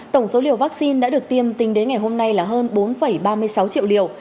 tổng số liều vaccine đã được tiêm tính đến ngày hôm nay là hơn bốn ba mươi sáu triệu liều